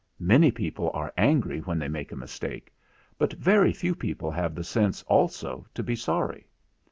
Many people are angry when they make a mistake, but very few people have the sense also to be sorry."